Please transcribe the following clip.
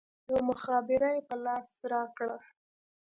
يوه مخابره يې په لاس راکړه.